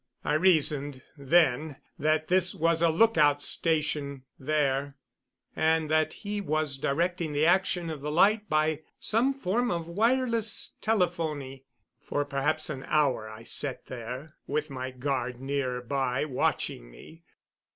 I reasoned then that this was a lookout stationed there, and that he was directing the action of the light by some form of wireless telephony. For perhaps an hour I sat there, with my guard near by watching me.